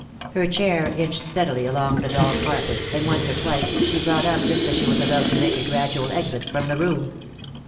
Her chair inched steadily along the dull carpet, and once or twice she brought up just as she was about to make a gradual exit from the room.